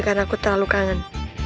kan aku terlalu kangen